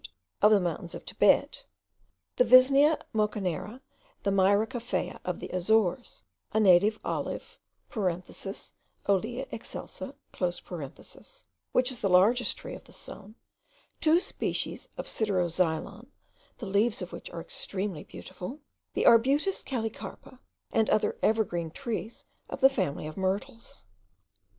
of the mountains of Tibet, the Visnea mocanera, the Myrica Faya of the Azores, a native olive (Olea excelsa), which is the largest tree of this zone, two species of Sideroxylon, the leaves of which are extremely beautiful, the Arbutus callicarpa, and other evergreen trees of the family of myrtles.